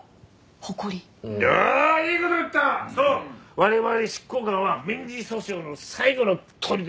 我々執行官は民事訴訟の最後のとりでなんだよ！